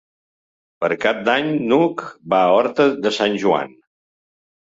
Per Cap d'Any n'Hug va a Horta de Sant Joan.